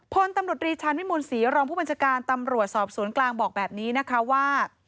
พลตำรวจรีชาญวิมูลศรีรองผู้บัญชาการตำรวจสอบสวนกลางบอกแบบนี้นะคะว่า